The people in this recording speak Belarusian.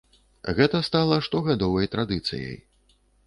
Гэта стала штогадовай традыцыяй.